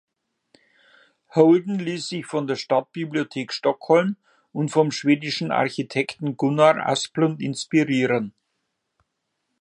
Holden ließ sich von der Stadtbibliothek Stockholm und vom schwedischen Architekten Gunnar Asplund inspirieren.